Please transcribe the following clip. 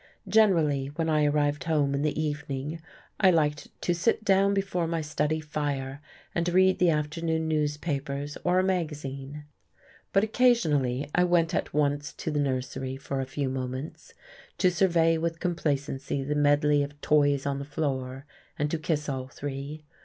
Generally, when I arrived home in the evening I liked to sit down before my study fire and read the afternoon newspapers or a magazine; but occasionally I went at once to the nursery for a few moments, to survey with complacency the medley of toys on the floor, and to kiss all three.